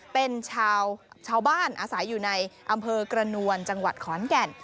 เป็นชาวบ้านอาศัยอยู่ในอำเภอกระนวลจังหวัดขอนแก่น